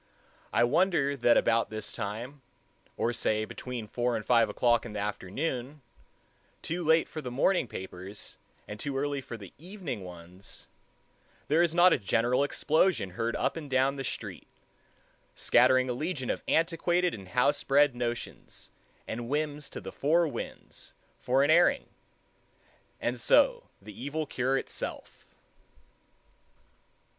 I wonder that about this time, or say between four and five o'clock in the afternoon, too late for the morning papers and too early for the evening ones, there is not a general explosion heard up and down the street, scattering a legion of antiquated and house bred notions and whims to the four winds for an airing—and so the evil cure itself.